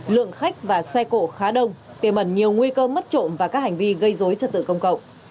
lượng khách và xe cổ khá đông tiềm ẩn nhiều nguy cơ mất trộm và các hành vi gây dối trật tự công cộng